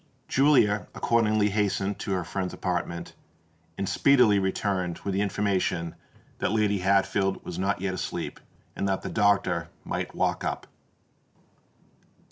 Julia accordingly hastened to her friend's apartment, and speedily returned with the information that Lady Hatfield was not yet asleep, and that the doctor might walk up.